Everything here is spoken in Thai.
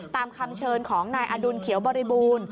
ตามคำเชิญของนายอดุลเขียวบริบูรณ์